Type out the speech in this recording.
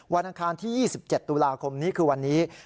อังคารที่๒๗ตุลาคมนี้คือวันนี้